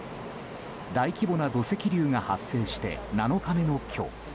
大規模な土石流が発生して７日目の今日。